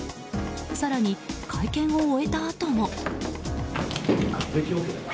更に、会見を終えたあとも。